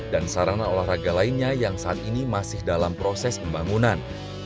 dan sarana olahraga lainnya yang saat ini masih dalam proses pembangunan